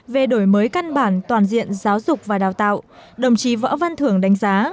về đổi mới căn bản toàn diện giáo dục và đào tạo đồng chí võ văn thường đánh giá